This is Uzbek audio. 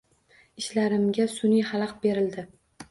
Ishlarimga sun’iy xalaqit berildi.